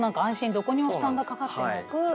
どこにも負担がかかってなく。